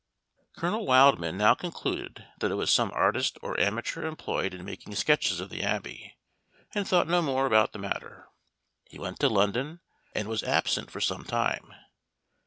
Colonel Wildman now concluded that it was some artist or amateur employed in making sketches of the Abbey, and thought no more about the matter. He went to London, and was absent for some time.